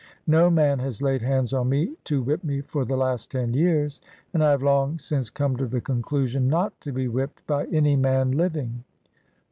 No man has laid hands on me to whip me for the last ten years, and I have long since come to the conclusion not to be whipped by any man AN AMERICAN BONDMAW. 9 living."